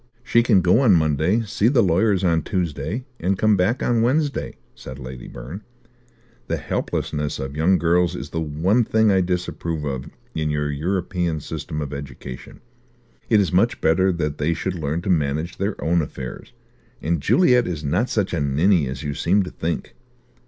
"She can go on Monday, see the lawyers on Tuesday, and come back on Wednesday," said Lady Byrne. "The helplessness of young girls is the one thing I disapprove of in your European system of education. It is much better that they should learn to manage their own affairs; and Juliet is not such a ninny as you seem to think."